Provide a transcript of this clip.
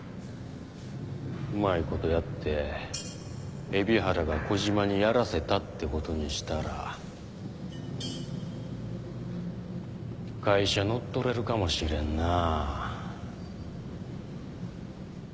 うまいことやって海老原が小島にやらせたってことにしたら会社乗っ取れるかもしれんなぁ。